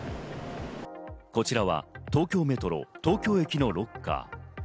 こちらは東京メトロ・東京駅のロッカー。